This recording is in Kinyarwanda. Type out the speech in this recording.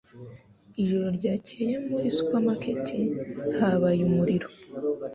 Ijoro ryakeye muri supermarket habaye umuriro